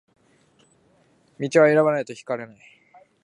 道は選ばないと開かれない